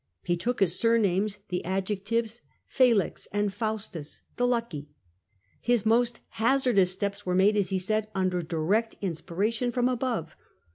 He took as surnames the adjectives Felix and Faustus, ''the lucky/' His most hazardous steps were made, as lie said, under direct inspiration from above.